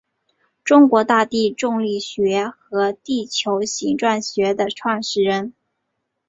中国大地重力学和地球形状学的创始人。